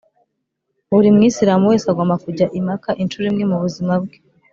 buri mwisilamu wese agomba kujya i maka incuro imwe mu buzima bwe.